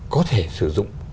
có thể sử dụng